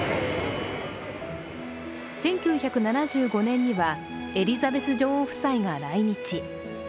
１９７５年には、エリザベス女王夫妻が来日。